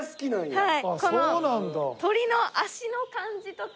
はい。